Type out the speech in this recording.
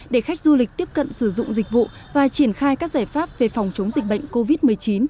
để khách du lịch tiếp cận sử dụng dịch vụ và triển khai các giải pháp về phòng chống dịch bệnh covid một mươi chín